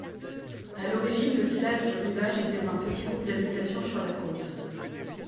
À l'origine, le village du Rivage était un petit groupe d'habitations sur la côte.